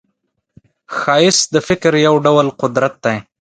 ښایست د فکر یو ډول قدرت دی